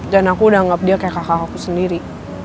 dan aku udah anggap dia kayak kakak aku sendiri